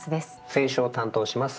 選書を担当します